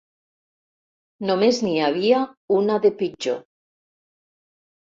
Només n'hi havia una de pitjor.